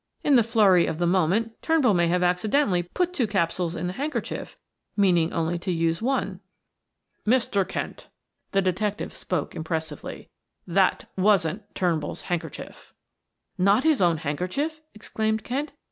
"In the flurry of the moment, Turnbull may have accidentally put two capsules in the handkerchief, meaning only to use one." "Mr. Kent," the detective spoke impressively, "that wasn't Turnbull's handkerchief." "Not his own handkerchief!" exclaimed Kent.